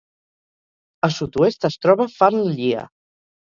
A sud-oest es troba Fan Llia.